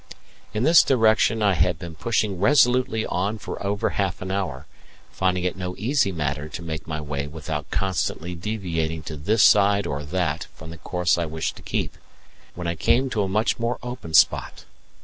In this direction I had been pushing resolutely on for over half an hour, finding it no easy matter to make my way without constantly deviating to this side or that from the course I wished to keep, when I came to a much more open spot.